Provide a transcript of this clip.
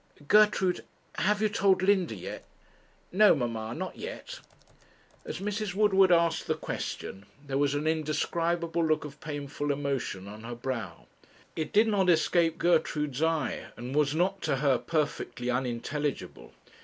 Gertrude, have you told Linda yet?' 'No, mamma, not yet.' As Mrs. Woodward asked the question, there was an indescribable look of painful emotion on her brow. It did not escape Gertrude's eye, and was not to her perfectly unintelligible.